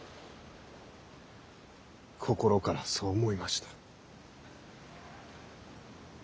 心からそう思いました。